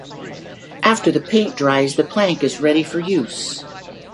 After the paint dries the plank is ready for use.